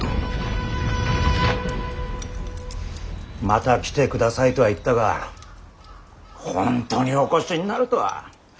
また来てくださいとは言ったが本当にお越しになるとは。